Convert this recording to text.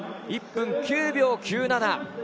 １分９秒９７。